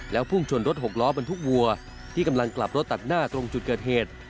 พุ่งชนรถหกล้อบรรทุกวัวที่กำลังกลับรถตัดหน้าตรงจุดเกิดเหตุ